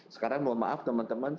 sekarang mohon maaf teman teman